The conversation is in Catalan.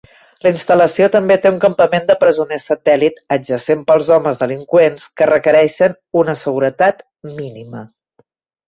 La instal·lació també té un campament de presoners satèl·lit adjacent per als homes delinqüents que requereixen una seguretat mínima.